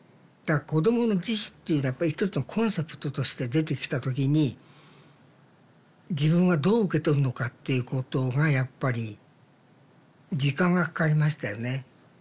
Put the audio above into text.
子供の自死っていうやっぱり一つのコンセプトとして出てきた時に自分はどう受け取るのかっていうことがやっぱり時間がかかりましたよね。